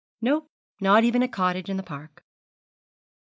'No, not even a cottage in the park.'